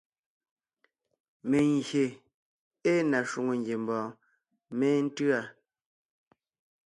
Mengyè ée na shwòŋo ngiembɔɔn méntʉ̂a.